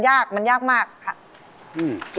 โปรดติดตามต่อไป